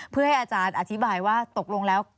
เพื่อให้อาจารย์อธิบายว่าตกลงแล้ว